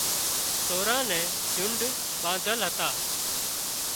سوران نين جنڍ ٻانڌل هتان